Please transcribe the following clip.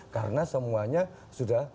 karena semuanya sudah